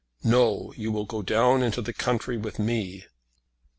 "No; you will go down into the country with me."